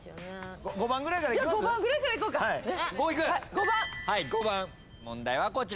５番問題はこちら。